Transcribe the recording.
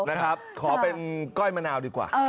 นะครับขอเป็นก้อยมะนาวดีกว่า